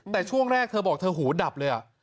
แต่ช่วงแรกเธอบอกเธอหูดับเลย